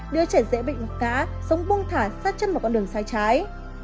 đưa trẻ dễ bị ngọt cá sống bung thả sát chân vào con đường sai trái